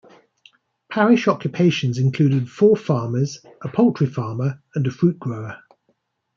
Parish occupations included four farmers, a poultry farmer, and a fruit grower.